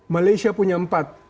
malaysia punya empat